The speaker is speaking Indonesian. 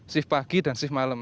shift pagi dan shift malam